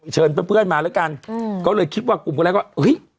เชิญเพื่อนเพื่อนมาแล้วกันอืมก็เลยคิดว่ากลุ่มคนแรกก็เฮ้ย